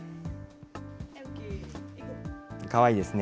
かわいいですね。